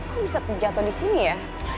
kok bisa jatoh disini ya